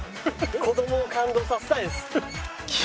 子供を感動させたいです。